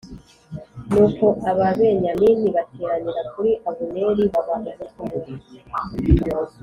Nuko Ababenyamini bateranira kuri Abuneri baba umutwe umwe